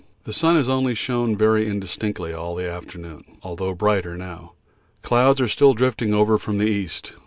The sun has only shown very indistinctly all the afternoon, although brighter now. Clouds are still drifting over from the east.